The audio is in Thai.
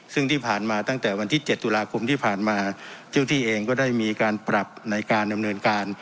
ซึ่งที่ผ่านมาตั้งแต่วันที่๗ตุลาคมที่ผ่านมาเจ้าที่เองก็ได้มีการปรับในการดำเนินการ